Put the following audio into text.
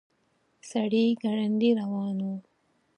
سړی ګړندي روان و.